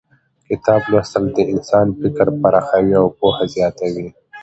کتاب لوستل د انسان فکر پراخوي او پوهه زیاتوي